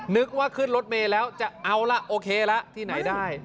นึกว่าขึ้นรถเมย์แล้วจะเอาละโอเคละที่ไหนได้